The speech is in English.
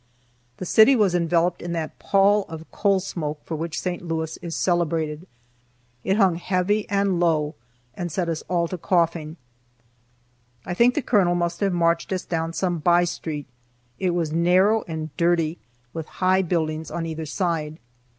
The city was enveloped in that pall of coal smoke for which St. Louis is celebrated. It hung heavy and low and set us all to coughing. I think the colonel must have marched us down some by street. It was narrow and dirty, with high buildings on either side.